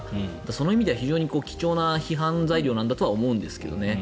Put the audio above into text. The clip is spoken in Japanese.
その意味では非常に貴重な批判材料なんだと思いますけどね。